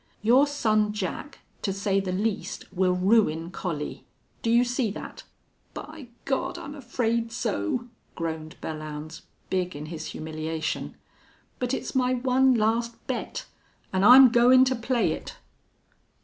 Your son Jack, to say the least, will ruin Collie. Do you see that?" "By Gawd! I'm afraid so," groaned Belllounds, big in his humiliation. "But it's my one last bet, an' I'm goin' to play it."